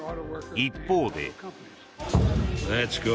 一方で。